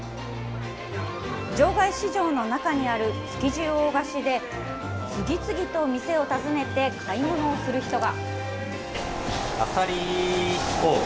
場外市場の中にある築地魚河岸で、次々と店を訪ねて買い物をする人が。